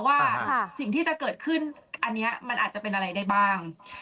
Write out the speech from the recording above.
ว่าสิ่งที่จะเกิดขึ้นอันนี้มันอาจจะเป็นอะไรได้บ้าง